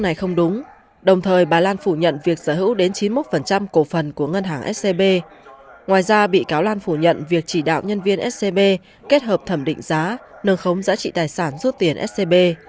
bà trương mỹ lan phủ nhận việc sở hữu đến chín mươi một cổ phần của ngân hàng scb ngoài ra bị cáo lan phủ nhận việc chỉ đạo nhân viên scb kết hợp thẩm định giá nâng khống giá trị tài sản giúp tiền scb